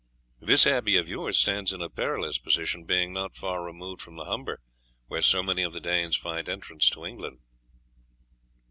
This abbey of yours stands in a perilous position, being not far removed from the Humber, where so many of the Danes find entrance to England."